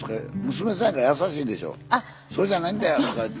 「そうじゃないんだよ」とかいって。